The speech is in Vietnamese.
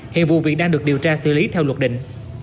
hiện vụ việc đang được điều tra xử lý theo luật định